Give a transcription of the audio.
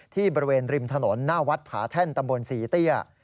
ที่บริเวณริมถนนหน้าวัดผาแท่นตำบลศรีเตี้ย